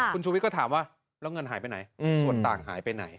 คุณชูวิทย์ก็ถามว่าแล้วเงินหายไปไหนส่วนต่างหายไปไหน